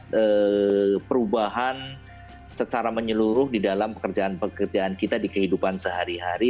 ada perubahan secara menyeluruh di dalam pekerjaan pekerjaan kita di kehidupan sehari hari